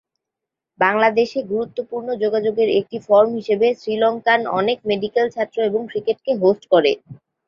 বাংলাদেশ বন্ধুত্বপূর্ণ যোগাযোগের একটি ফর্ম হিসাবে শ্রীলঙ্কান অনেক মেডিকেল ছাত্র এবং ক্রিকেটকে হোস্ট করে।